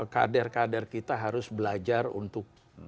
kader kader kita harus belajar untuk